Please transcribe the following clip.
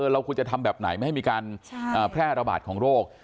เราควรจะทำแบบไหนไม่ให้มีการแพร่ระบาดของโรค